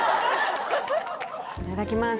いただきます。